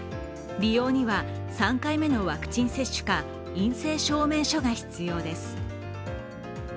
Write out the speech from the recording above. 利用には３回目のワクチン接種か陰性証明書が必要です。